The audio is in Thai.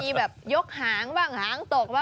ไปนอนแบบประจบเห็นมั้ยไปนอนสุขใส